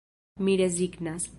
Mi rezignas.